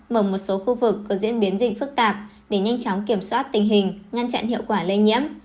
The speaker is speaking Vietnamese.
mở một số khu vực có diễn biến gì phức tạp để nhanh chóng kiểm soát tình hình ngăn chặn hiệu quả lây nhiễm